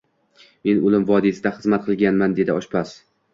Men oʻlim vodiysida xizmat qilganman, dedi oshpaz